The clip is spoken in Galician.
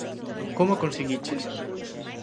Como a conseguiches?